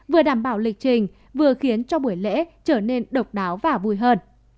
vừa đảm bảo lịch trình vừa khiến cho buổi lễ trở nên độc đáo và vui hơn